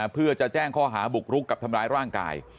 เพื่อจะแจ้งข้อหาบุกรุกกับทำร้ายร่างกาย